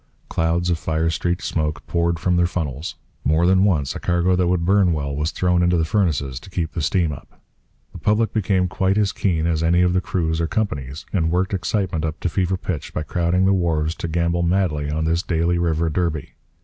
Clouds of fire streaked smoke poured from their funnels. More than once a cargo that would burn well was thrown into the furnaces to keep the steam up. The public became quite as keen as any of the crews or companies, and worked excitement up to fever pitch by crowding the wharves to gamble madly on this daily river Derby.